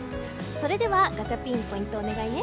それではガチャピンポイントをお願いね。